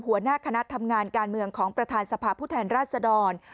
หัวหน้าคณะทำงานการเมืองของประธานสภาพผู้แทนราชดร